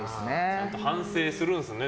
ちゃんと反省するんですね